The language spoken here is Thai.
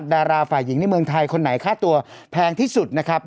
ดาราฝ่ายหญิงในเมืองไทยคนไหนค่าตัวแพงที่สุดนะครับ